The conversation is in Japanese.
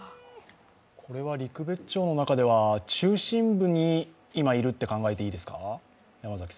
これは陸別町の中では中心部に今いると考えていいですか？